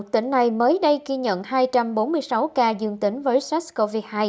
một tỉnh này mới đây ghi nhận hai trăm bốn mươi sáu ca dương tính với sars cov hai